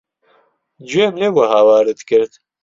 گوێم لێ بوو هاوارت کرد.